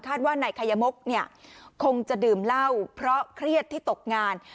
ว่านายคัยมกเนี่ยคงจะดื่มเหล้าเพราะเครียดที่ตกงาน